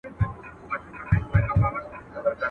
ته حرکت وکه، زه به برکت وکم.